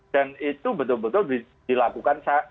dan itu betul betul dilakukan